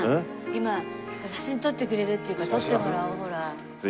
今写真撮ってくれるっていうから撮ってもらおうほら。